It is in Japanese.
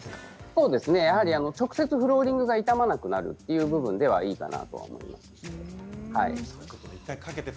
そうですね、直接フローリングが傷まなくなるという部分ではいいと思います。